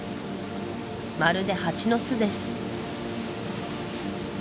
まるでハチの巣です